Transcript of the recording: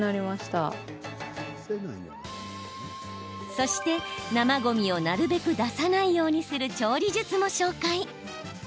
そして、生ごみをなるべく出さないようにする調理術も紹介。